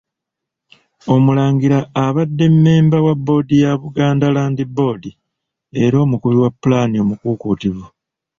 Omulangira abadde Mmemba wa Bboodi ya Buganda Land Board era omukubi wa pulaani omukuukuutivu.